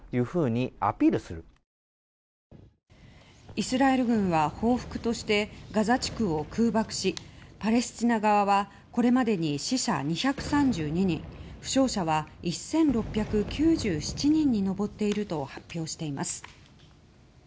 イスラエル軍は報復としてガザ地区を空爆しパレスチナ側はこれまでに死者２３２人負傷者は１６９７人に上っていると発表しています。